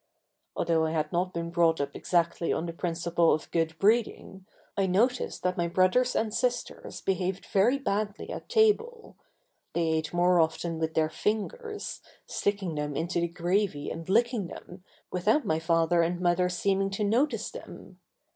Although I had not been brought up exactly on the principle of good breeding, I noticed that my brothers and sister's behaved very badly at table; they ate more often with their fingers, sticking them into the gravy and licking them without my father and mother seeming to notice them.